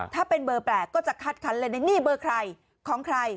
ถ้าเป็นเบอร์แปลกก็จะคัดคันเลยนะนี่เบอร์ใครของใคร